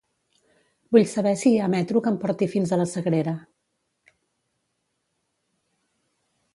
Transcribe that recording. Vull saber si hi ha metro que em porti fins a la Sagrera.